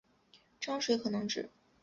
章水可能指